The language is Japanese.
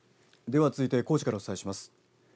では続いて高知からお伝えします。